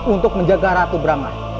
untuk menjaga ratu branga